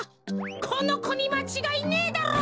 このこにまちがいねえだろう？